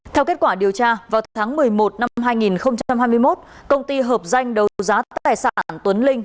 theo kết quả điều tra vào tháng một mươi một năm hai nghìn hai mươi một công ty hợp danh đấu giá tài sản tuấn linh